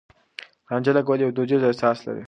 رانجه لګول يو دوديز احساس لري.